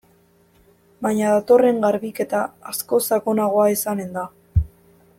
Baina datorren garbiketa askoz sakonagoa izanen da.